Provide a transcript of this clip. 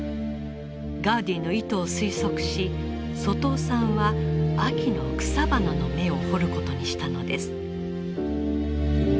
ガウディの意図を推測し外尾さんは秋の草花の芽を彫ることにしたのです。